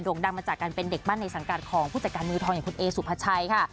่งดังมาจากการเป็นเด็กปั้นในสังกัดของผู้จัดการมือทองอย่างคุณเอสุภาชัยค่ะ